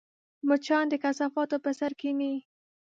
مچان د کثافاتو پر سر کښېني